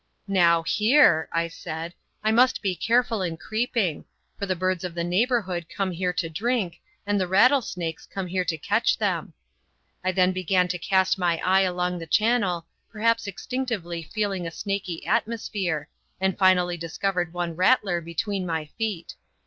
"Now, here," I said, "I must be careful in creeping, for the birds of the neighborhood come here to drink, and the rattlesnakes come here to catch them." I then began to cast my eye along the channel, perhaps instinctively feeling a snaky atmosphere, and finally discovered one rattler between my feet.